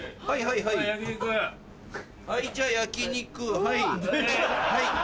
はいはい。